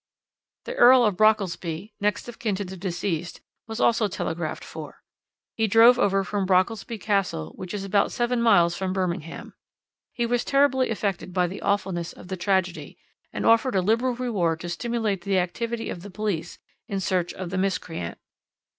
"The Earl of Brockelsby, next of kin to the deceased, was also telegraphed for. He drove over from Brockelsby Castle, which is about seven miles from Birmingham. He was terribly affected by the awfulness of the tragedy, and offered a liberal reward to stimulate the activity of the police in search of the miscreant.